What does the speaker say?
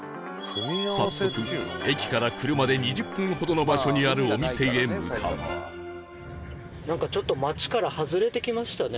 早速駅から車で２０分ほどの場所にあるお店へ向かうなんかちょっと町から外れてきましたね。